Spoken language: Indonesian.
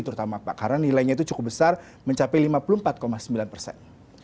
terutama pak karena nilainya itu cukup besar mencapai lima puluh empat sembilan persen